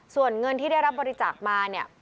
ส่วนเงินที่ได้รับบริจาคมาเนี่ย